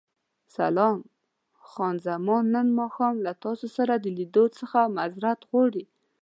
سلام، خان زمان نن ماښام له تاسو سره د لیدو څخه معذورت غواړي.